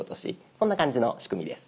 そんな感じの仕組みです。